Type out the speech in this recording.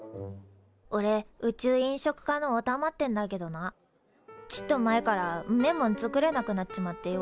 おれ宇宙飲食科のおたまってんだけどなちっと前からんめえもん作れなくなっちまってよ